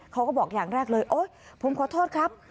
เขาก็บอกอย่างแรกเลยโอ๊ยผมขอโทษครับ